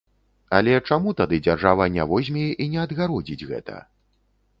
Але чаму тады дзяржава не возьме і не адгародзіць гэта?